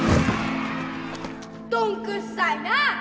どんくっさいなあ。